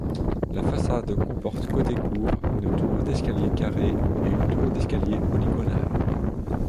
La façade comporte côté cour une tour d'escalier carrée et une tour d'escalier polygonale.